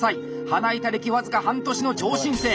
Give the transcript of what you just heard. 花板歴僅か半年の超新星。